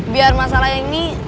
biar masalah yang ini